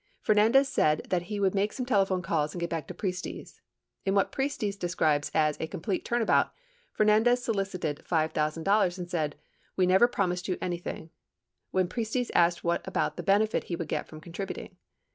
Fernandez said that he would make some telephone calls and get back to Priestes. In what Priestes described as a complete turnabout, Fernandez solicited $5,000 and said : "We never promised you anything," when Priestes asked about what benefit he would get "from contributing.